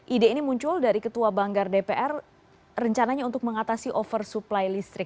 ide ini muncul dari ketua banggar dpr rencananya untuk mengatasi oversupply listrik